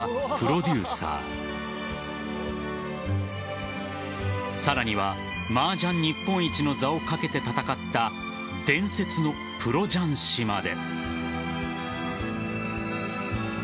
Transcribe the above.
企画の立ち上がりから共にしたプロデューサーさらには麻雀日本一の座を懸けて戦った伝説のプロ雀士まで。